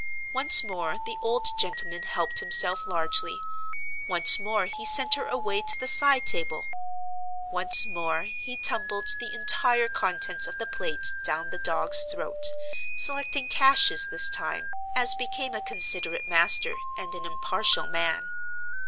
Once more the old gentleman helped himself largely—once more he sent her away to the side table—once more he tumbled the entire contents of the plate down the dog's throat, selecting Cassius this time, as became a considerate master and an impartial man.